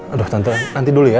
aduh nanti dulu ya